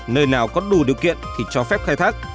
nơi nào có đủ điều kiện thì cho phép khai thác